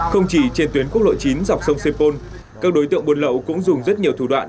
không chỉ trên tuyến quốc lộ chín dọc sông sepol các đối tượng buôn lậu cũng dùng rất nhiều thủ đoạn